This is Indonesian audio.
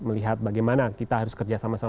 melihat bagaimana kita harus kerja sama sama